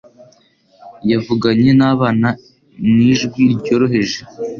Yavuganye nabana mwijwi ryoroheje.